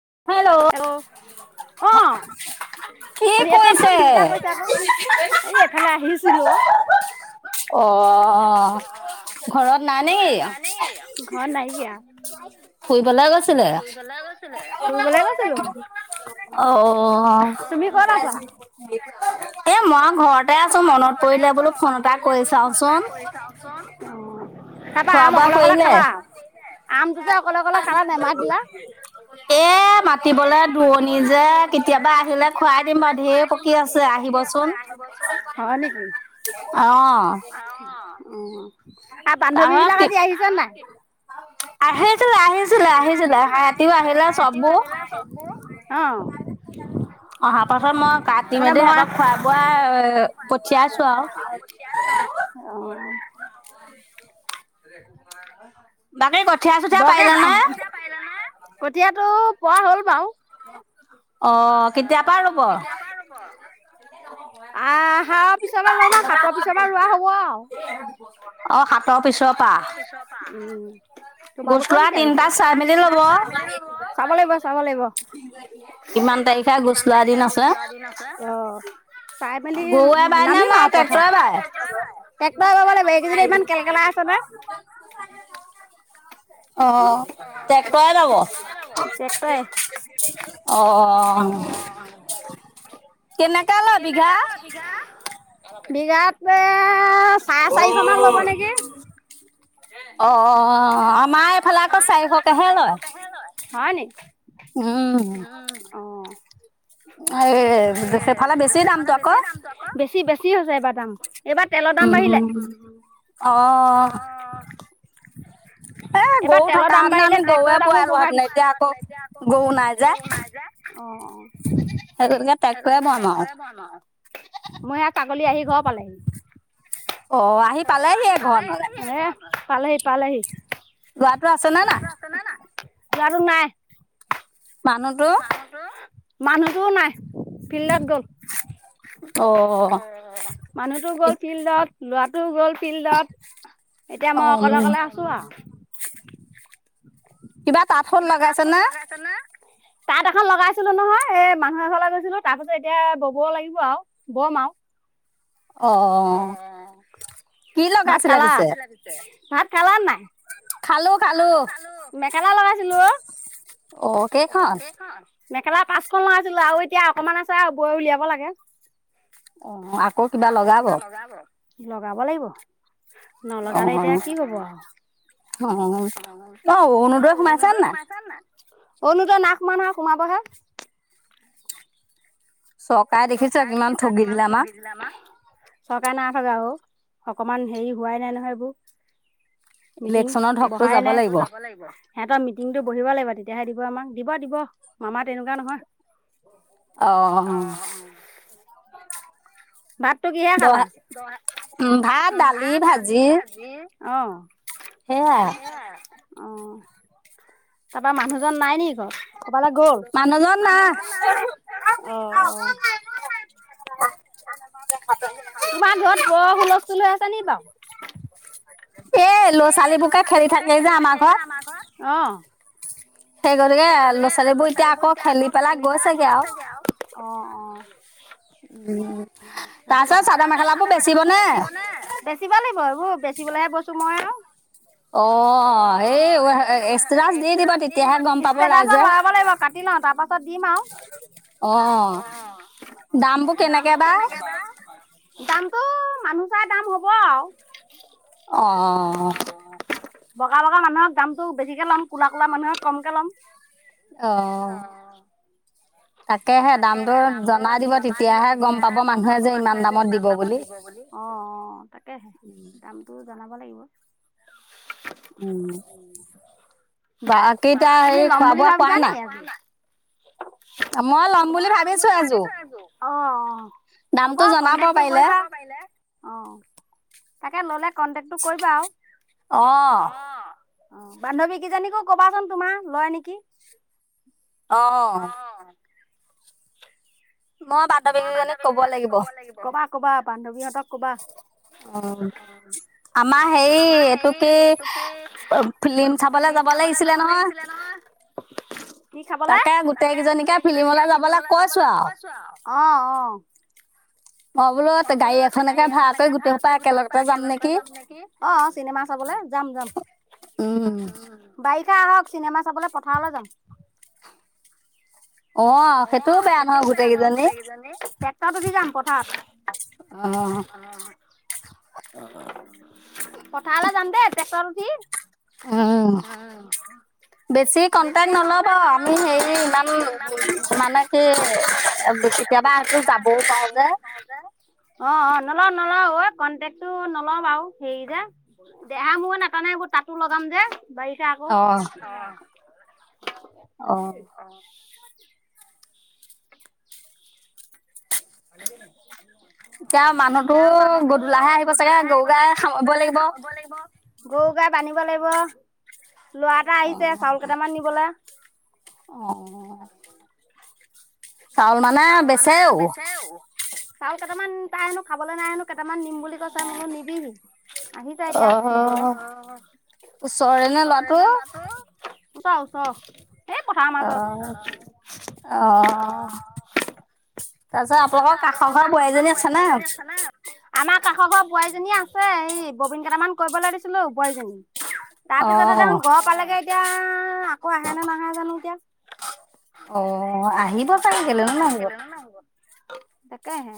আহ ব দিগদা কৰিছা আকৌ এই এফালে আহিছিলো অ আহ ঘৰত নাই নেক ঘৰত নাইকিয়। ফুৰিবলে গৈছিলে। অ এ মই ঘৰতে আছো মনত পৰিলে বোলো ফোন এটা কৰি চাওচোন। তাৰাপা আম অকলে অকলে খালা আমটোতে অকলে অকলে খালা নামাতিলা। এ মাতিবলে দুৰণি যে কেতিয়াবা আহিলে খুৱাই দিম বাৰু ঢেৰ পকি আছে আহিবচোন হয় নেকি অ অহ আহক তি আহিছিলে আহিছিলে আহিছিলে ৰাতিপুৱা আহিলে চব আহিলা চব অ অহা পাছত মই কাটি মেলি সিহঁতক খোৱাই বোৱাই পঠিয়াইছো আৰু আ এক ন বাকী কঠীয়া চঠীয়া পাৰিলা নে? কঠিয়াটো পোৱা হ'ল বাৰু। অ কেতিয়া পৰা ৰুব আহ, আহাৰ পিছপৰা লম আৰু সাতৰ পিছৰ পৰা ৰোৱা হব। অহ, সাতৰ পিছৰ পৰা আৰু উম তোমালোকৰ কেতিয়া ৰোবা? গছ লোৱা তিনটা চাই মিলি লব, চাব লাগিব - চাব লাগিব। কিমান তাৰিখে গুচলোৱা দিন আছে। অহ, গৰুৱে বায়নে বা টেক্টৰে বায়। [unintelligible] অহ, ট্ৰেক্টৰে লব অহ। [unintelligible] অহ, কেনেকা লই বিঘা? বিঘাত এহ চাৰে চাৰিশ মান লব নেকি? অহ - অহ। আমাৰ এইফালে আকৌ চাৰিশকেহে লয় উম। উম অহ। এইফালে বেছি দামটো আকৌ। বেছি- বেছি হৈছে এবাৰ দাম। এইবাৰ তেলৰ দাম বাঢ়িলে। উম - উম অহ, এইবাৰ তেলৰ দাম বাঢ়িলে ট্ৰেক্টৰ দামো বঢ়াই দিছে। পোৱালোহেতেন এতিয়া আকৌ গৰু নাই যে অহ - অহ সেইটো কাৰণে টেক্টৰে বোৱাম আৰু মই আ ছোৱালী আহি ঘৰ পালেহি। অহ, আহি পালেহি এই ঘৰ ওলাই। পালেহি- পালেহি। লৰাটো আছে নে নাই? লৰাটো নাই। মানুহটো? মানুহটোও নাই। ফিল্ডত গল অহ, মানুহটো গল ফিল্ডত লৰা সি গল। ফিল্ডত এতিয়া মই অকলে-অকলে আছো আৰু। কিবা তাত হল লগাইছে নে? তাত এখন লগাইছিলো নহয় এহ মানুহ এখন গৈছিলো তাৰ পিছত এতিয়া বব লাগিব আৰু বম আৰু। অহ, ভাত খালা -ভাত খালা নাই? খালো- খালো অহ, কেইখন? মেখেলা পাচখন লগাইছিলো আৰু এতিয়া অকণমান আছে বৈ উলিয়াব লাগে। অ আকৌ কিবা লগা কিবা লগাব লগাব লাগিব নলগালে এতিয়া কি হব আৰু অ অৰুণোদয় সোমাইছে নাই? অৰুনুদয় নাই সোমোৱা সোমাবহে। চকাই দেখিছ কিমান ঠগি দিলে আমাক চৰকাৰে নাই থগা অ অকমান হেৰি হোৱাই নাই নহয় এইবোৰ মিটিং বহাই নাই যাব লাগিব সিহঁতৰ মিটিংটো বহিব লাগিব তেতিয়াহে দিব আমাক দিব দিব মামা তেনেকুৱা নহয়। অ। ভাতটো কিহে খালা ভাত দালি ভাজি অ সেয়া। অ তাৰপা মানুহজন নাই নিকি কবালৈ গল মানুহজন নাই অ অ। দো [inaudible] তোমাৰ ঘৰত ব হুলস্থুল হৈ আছে নি বাও হয় [inaudible] এ ল'ৰা ছোৱালীবকে খেলি থাকে যে আমাৰ ঘৰত অ। সেই গতিকে ল'ৰা ছোৱালীবোৰ এতিয়া আকৌ খেলি পেলাই গৈছেগে আৰু অঁ অঁ। সেইটো কথা তাৰপিছত চাদৰ মেখেলাাবোৰ বেচিব নে বেচিব লাগিব এইবোৰ বেচিবলেহে অ দলাগিব কাটি লওঁ তাৰ পাছত দিম আৰু অ কেনেকে বা দামটো? মানুহ চাই দাম হ'ব আৰু অ। বগা বগা মানুহক দামটো বেছিকে ল'ম ক'লা কোলা মানুহক কমকে ল'ম। আহ। তাকেহে দামতটো জনাই দিব তেতিয়াহে গম পাব মানুহে যে ইমান দামত দিব বুলি অ তাকেহে দামটো জনাব লাগিব। [inaudible] উ বাকী এতিয়া হে খোৱা বোৱা কৰাৱা নাই। মই লম বুলি ভাবিছো অ অ হ'ব পাৰ অ। তাকে ললে কনটেকটো কৰিবা আৰু অ অ বান্ধৱী কেইজীকো কবাচোন তোমাৰ লয় নেকি? অ মই বান্ধৱী দুেইজনীক কব লাগিব কবা কবা বান্ধৱীহঁতক কবা আমাৰ হেৰি এইটো কি ফ্লিম চাবলৈ যাব লাগিছিলে নহয়। তাকে গোটেই কেইজনীকে ফ্লিমলৈ যাবলৈ কৈছো আৰু। অ অ অ বোলো গাড়ী এখনে ভাড়াকৈ গোটেইসোপা একেলগে যাম নেকি? অ চিনেমা চাবলৈ যাম যাম বাইক হে আহক চিনেমা চাবলৈ পথাৰলৈ যাম। অ সেইটো বেয়া নহয় গোটেই কেইজনী টেক্সট উঠি যাম পথাৰত অ পথাৰলৈ যাম দেই টেক্সট উঠি উম বেছি কণ্টেক্ট নলব আমি হে ওলালো মানে কি কেতিয়াবা সেতি যাবও পাই যে অ অ নলও নলও কন্টেক্ট টো নলও বাৰু হেৰি যে দেহা মোৰ নাটানে এইবোৰ তাতো লগাম যে বাৰিষা আকৌ অ [inaudible] এতিয়া মানুহতো গধূলা হে আহিব চাগে গৰু গাই সামৰিব লাগিব। গৰু গাই বান্ধিব লাগিব। লৰা এটা আহিছে চাউল কেইটামান নিবলৈ চাউল মানে বেচেও চাউল কেইটামান তাই হেনো খাব নাই হেনো কেইটামান নিম বুলি কৈছে মই বোলো নিবিহি আহিছে এতিযয়া নিবলৈ ওচৰে নে? ল'ৰাটো ওছ ওচ আহ আহ তাৰপিছত আপোনালোকৰ কাষৰ ঘৰ বোৱাৰীজনী আছে নাই আমাৰ আমাৰ কাষৰ ঘৰ বোৱাৰীজনী আছে এই ববীন কেইটামান কৰিবলৈ দিছিলো বোৱাৰীজনী তাৰ পিছতে দেখোন ঘৰ পালেগে এতিয়া আকৌ আহে নে নাহে জানো এতিয়া। অ আহিব চাগে? কেলেনো তাই কেলেইনো নাহিব তাকেহে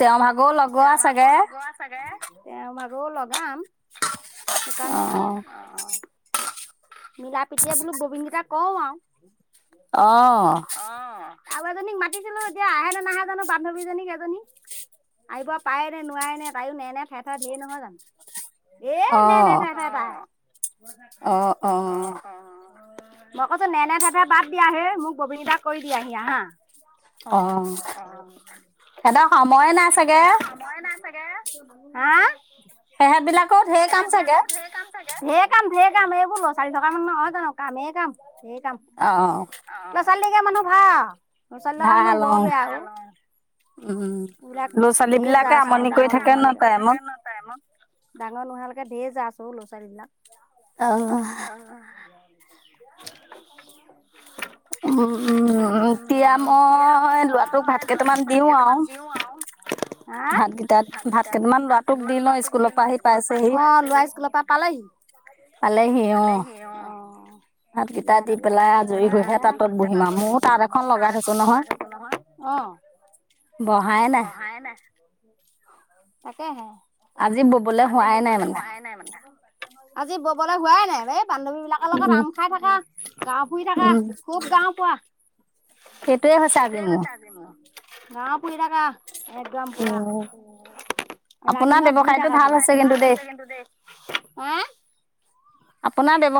তেওঁৰ ভাগৰো লগোৱা চাগে? তেওঁৰ ভাগৰো লগাম সেইকাৰণে অ', অ', মিলা প্ৰীতিয়ে বোলো ববীনকেইটা কওঁ আও। অ', আৰু এজনীক মাতিছিলো এতিয়া আহে নে নাহে জানো বান্ধৱীজনীক এজনী। আহিব পায় নে নোৱাৰে নে তায়ো নেনে ঠে ঠে ঢেৰ নহয় জানো। এ নেনে ঠেঠে টা অ', অ', মই কৈছো নেনে ঠেঠে বাদ দিয়াহে মোক ববীন কেইটা কৰি দিয়াহি আহা। অ', সিহঁতৰ সময়ে নাই চাগ- সিহঁতৰ সময়ে নাই চাগে। [unintelligible] সেই বিলাকৰ ঢেই কাম চাগে। ঢেৰ কাম ঢেৰ কাম এইবোৰ লৰা ছোৱালী থকা মানুহ নহয় জানো কামেই কাম- ঢেৰ কাম লৰা ছোৱালী, মানুহ ভা- ভাল অ', উ'ম লৰ ছোৱাল- [unintelligible] ডাঙৰ নোহোৱালকে ধেৰ যাছ' ল'ৰা ছোৱলীবিলাক। অ', [unintelligible] উ'ম এতিয়া মই লৰাটোক ভাত কেইটামান দিওঁ আও। ভাতকেইটা ভাত কেইটামান লৰাটোক দি লওঁ স্কুলৰ পৰা আহি, লৰা স্কুলৰ পৰা পালেহি পালেহি অ', [inaudible] দেৰি কৰিহে তাত এখন লগাই থৈছো নহয় অ', [unintelligible] তাকে হে আজি ববলে হোৱাই নাই মানে, আজি ববলৈ হোৱাই তে বেব বান্ধৱী বিলাকৰ লগত আম খাই থকা, গাওঁ ফুৰি থকা, খুব গাওঁ ফুৱা সেইটোৱ হৈছে আজি মো, গাওঁ শুই থাকা। একদম পুৰা ৰাণিঙত ঘুই থাকা পুৰা, ভাল হৈছে কিন্তু দেই হা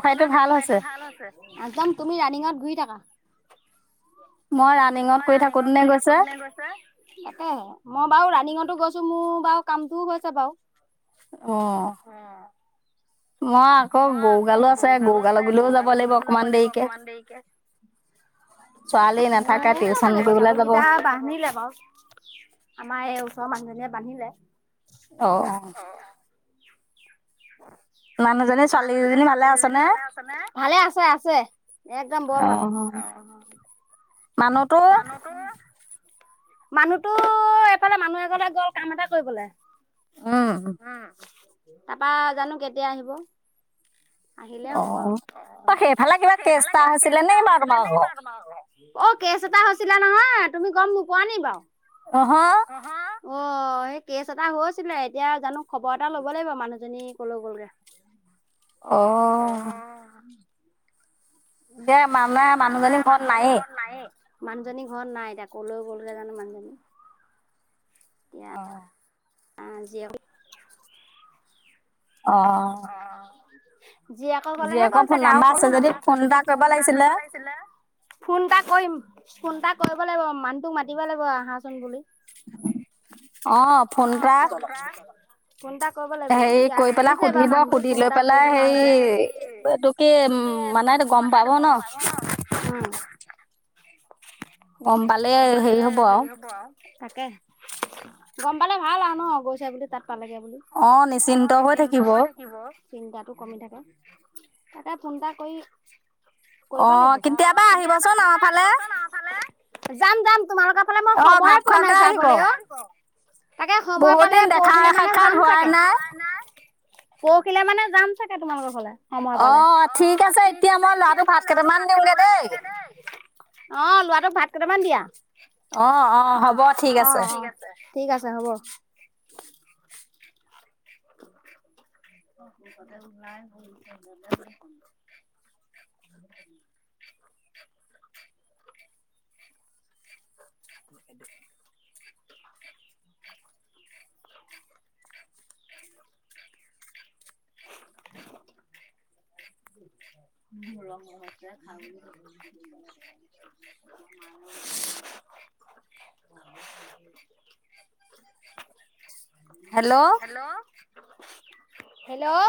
আপোনাৰ ব্যৱসায়টো ভাল হৈছে। একদম তুমি ৰানিঙত ঘুৰি থাকা। মই ৰাণিঙত কৰি থাকোতেনে গৈছে তাকে মই বাৰু ৰা- ৰাণীঙতো গৈছো মোৰ বাৰু কামটোও হৈছে বাৰু আহঁ। মই আকৌ গৰুগালো আছে গৰুগালো গলেও যাব লাগিব অকমান দেৰিকে মইও যাব লাগিব ছাগলীকেইটা বান্ধিলে বাৰু আমাৰ এই ওচৰ মানুহজনীয়ে। বান্ধিলে অ অ। মানুহজনী ছোৱালীজনী ভালে আছে নে ভালে আছে আছে একদম বৰ ভাল অ। মানুহটো মানুহতো এফালে মানুহ এঘৰলে গল কাম এটা কৰিবলৈ উম। তাৰপা জানো কেতিয়া আহিব? আহিলে হ'ব সেইফালে কিবা তেষ্টাৰ আছিলে নেকি বাৰু তোমাৰ? অ কেছ এটা হৈছিলা নহয় তুমি গম মোক। পোৱা নাই বাৰু? অহ অ সেই কেচ এটা হৈ আছিলে এতিয়া জানো খবৰ এটা ল'ব লাগিব মানুহজনী কলৈ গ'লগে অ' দে মানে মানুহজনী ঘৰত নায়েই মানুহজনী ঘৰত নাই এতিয়া কলৈ গ'লগে জানো মানুহজনী আহঁ। আহ যও অ। হয়। জীয়েকৰ ঘলেহে গ'ল চাগে আৰু ফোন এটা কৰিব লাগিছিলে ফোন এটা কৰিম। ফোনটা কৰিব লাগিব মানুহটো মাতি লাগিব আহাচোন বুলি। অ ফোন ফোন এটা কৰিব লাগিব ই। মানুহটো ফোন এটা কৰি দিম আৰু এতিয়া সেই এইটো কি উ মানেটো গম পাব ন। গম পালে হেৰি হব আৰু। তাকে গম পালে ভাল আৰু ন গৈছে বুলি তাত পালেগে বুলি অ নিশ্চিন্ত। হৈ থাকিব। চিন্তাটো কমি থাকে তাকতে ফোন এটা কৰি কৰিব লাগিব অ কিন্তু এবাৰ ক আহিবচোন আফালে। যাম যাম তোমালোকৰ ফালে মই সময়ে পোৱা নাই যাবলৈ অ তাকে সময় পালে পৰহিলে মানে যাম চাগে পৰখিলে মানে যাম চাগে তোমালোকৰ ফালে। সময় পালে অ ঠিক আছে এতিয়া মই লাৰ ভাত কেইটামান দিওঁগে দেই অ লৰাটোক ভাত কেইটামান দিয়া অ ঠিক আছে হ'ব [inaudible] ক ঘাই [inaudible] [inaudible] ৰঙো আছে খাল [unintelligible] হেল্ল' হেল্ল'